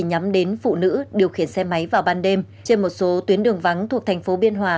nữ điều khiển xe máy vào ban đêm trên một số tuyến đường vắng thuộc thành phố biên hòa